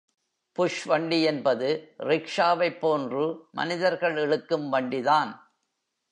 புஷ்வண்டி என்பது ரிக்ஷாவைப் போன்று மனிதர்கள் இழுக்கும் வண்டிதான்.